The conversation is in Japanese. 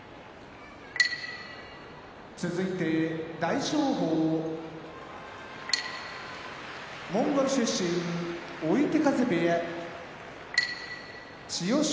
大翔鵬モンゴル出身追手風部屋千代翔